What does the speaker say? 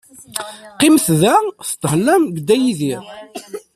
Qqimet da, tethellam deg Dda Yidir.